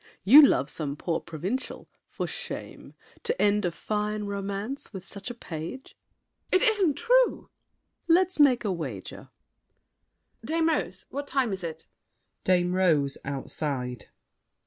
You love some poor provincial! For shame! To end a fine romance with such A page! MARION. It isn't true! SAVERNY. Let's make a wager! MARION. Dame Rose, what time is it? DAME ROSE (outside).